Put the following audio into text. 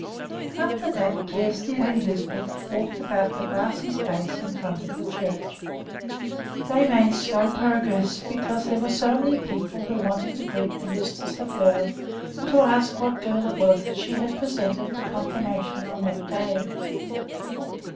After that Kjersti and Lisbeth walked about the grassy space in front of the church. They made slow progress, because there were so many people who wanted to greet the mistress of Hoel and to ask what girl it was that she had presented for confirmation on that day.